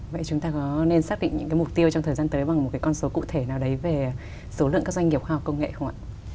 vậy chúng ta có nên xác định những cái mục tiêu trong thời gian tới bằng một cái con số cụ thể nào đấy về số lượng các doanh nghiệp khoa học công nghệ không ạ